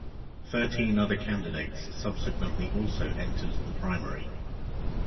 Thirteen other candidates subsequently also entered the primary.